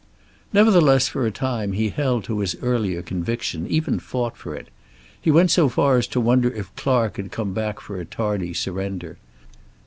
Nevertheless for a time he held to his earlier conviction, even fought for it. He went so far as to wonder if Clark had come back for a tardy surrender.